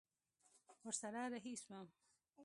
ورسره رهي سوم.